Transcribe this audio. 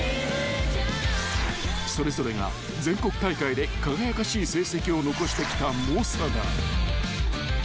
［それぞれが全国大会で輝かしい成績を残してきた猛者だ］